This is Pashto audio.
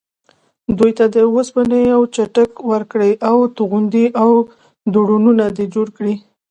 دوی ته وسپنه و څټک ورکړې او توغندي او ډرونونه دې جوړ کړي.